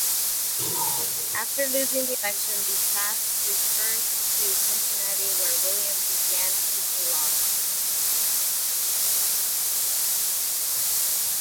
After losing the election, the Tafts returned to Cincinnati, where William began teaching law.